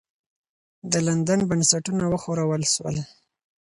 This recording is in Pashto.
د لندن بنسټونه وښورول سول.